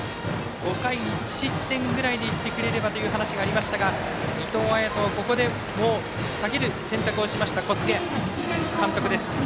５回１失点ぐらいでいってくれればという話がありましたが伊藤彩斗、ここで下げる選択をしました、小菅監督。